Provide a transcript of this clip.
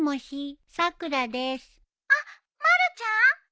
☎あっまるちゃん？